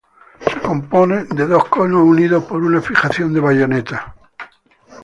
Se compone de dos conos unidos por una fijación de bayoneta.